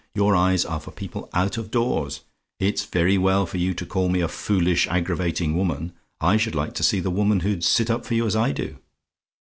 your eyes are for people out of doors. It's very well for you to call me a foolish, aggravating woman! I should like to see the woman who'd sit up for you as I do.